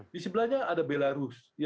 di sebelahnya ada belarus